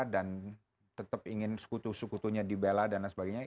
dan tetap ingin sekutu sekutunya dibela dan lain sebagainya